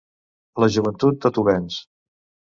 La joventut tot ho venç.